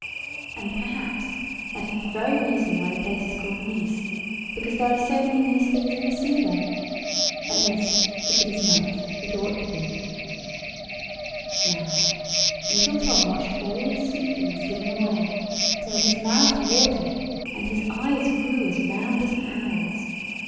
And, perhaps, that is the very reason why the place is called Nice, because there are so many nice things in the sea there: at least, if it is not, it ought to be. [Picture: Tom] Now little Tom watched all these sweet things given away, till his mouth watered, and his eyes grew as round as an owl's.